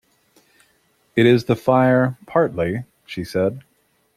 It is the fire, partly, she said.